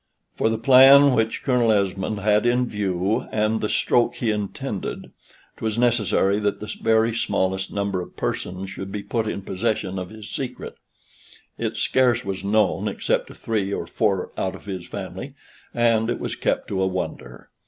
For the plan which Colonel Esmond had in view, and the stroke he intended, 'twas necessary that the very smallest number of persons should be put in possession of his secret. It scarce was known, except to three or four out of his family, and it was kept to a wonder.